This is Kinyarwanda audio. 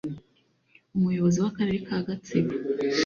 Umuyobozi w’Akarere ka Gatsibo